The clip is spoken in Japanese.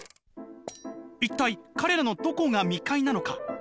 「一体彼らのどこが未開なのか？